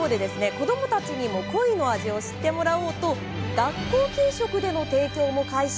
子供たちにもコイの味を知ってもらおうと学校給食での提供も開始。